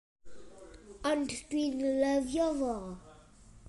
Ond dwi'n lyfio fo.